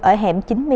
ở hẻm chín mươi hai